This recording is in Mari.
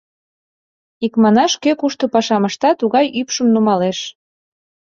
Икманаш, кӧ кушто пашам ышта, тугай ӱпшым нумалеш.